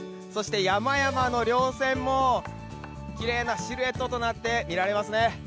山々の稜線もきれいなシルエットとなって見られますね。